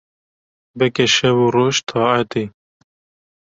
Bike şev û roj taetê